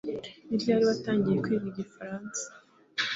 Ni ryari watangiye kwiga igifaransa